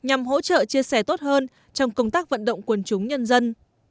nhằm hỗ trợ chia sẻ tốt hơn trong công tác vận động quân chúng nhân dân